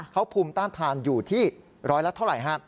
เขาภูมิต้านทานอยู่ที่ร้อยละเท่าไหร่ฮะ